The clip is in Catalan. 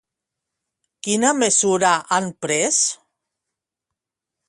Quina mesura han pres?